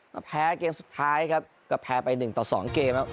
มาแพ้เกมสุดท้ายครับก็แพ้ไป๑ต่อ๒เกม